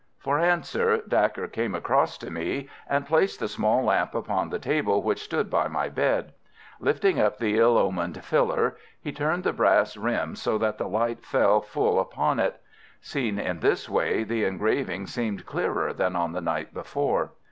For answer Dacre came across to me, and placed the small lamp upon the table which stood by my bed. Lifting up the ill omened filler, he turned the brass rim so that the light fell full upon it. Seen in this way the engraving seemed clearer than on the night before.